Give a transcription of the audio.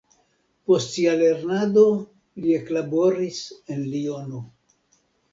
Post sia lernado li eklaboris en Liono.